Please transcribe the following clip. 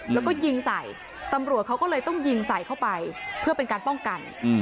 แล้วก็ยิงใส่ตำรวจเขาก็เลยต้องยิงใส่เข้าไปเพื่อเป็นการป้องกัน